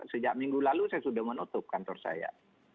sejak minggu lalu saya sudah menutup kantor saya